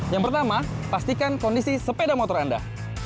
yang pertama pastikan kondisi sepeda motor anda